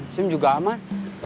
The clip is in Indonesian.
sim juga aman